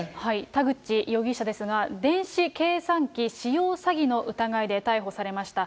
田口容疑者ですが、電子計算機使用詐欺の疑いで逮捕されました。